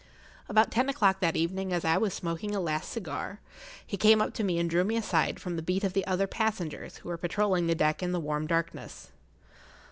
About ten o'clock that evening, as I was smoking a last cigar, he came up to me and drew me aside from the beat of the other passengers who were patrolling the deck in the warm darkness.